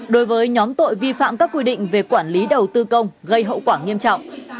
đối với nhóm tội vi phạm các quy định về quản lý đầu tư công gây hậu quả nghiêm trọng